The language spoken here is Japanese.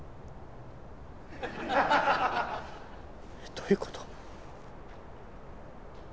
どういうこと？